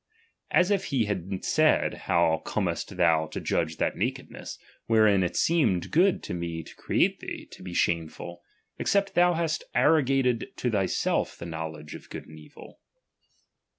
As if he had said, how comest ^^| thou to judge that nakedness, wherein it seemed ^^H good to me to create thee, to be shameful, except ^^| thou have arrogated to thyself the knowledge of ^^| good and evil.